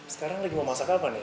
sekarang lagi mau masak apa nih